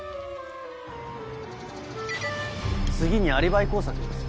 次にアリバイ工作です。